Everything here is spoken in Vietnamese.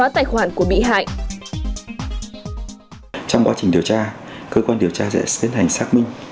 trong quá trình điều tra cơ quan điều tra sẽ tiến hành xác minh